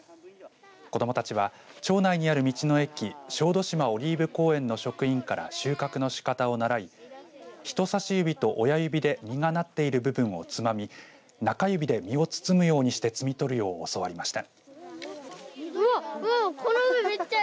子どもたちは町内にある道の駅小豆島オリーブ公園の職員から収穫の仕方を習いひとさし指と親指で実がなっている部分をつまみ中指で実を包むようにして摘み取るよう教わりました。